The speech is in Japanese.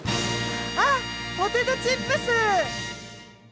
あポテトチップス！